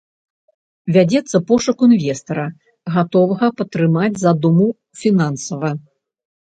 Вядзецца пошук інвестара, гатовага падтрымаць задуму фінансава.